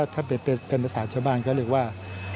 ถ้าเป็นภาษาชาวบ้านก็เรียกว่า